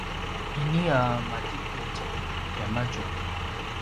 ini a matiqudj tiamadju